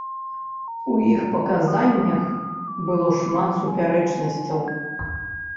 У іх паказаннях было шмат супярэчнасцяў.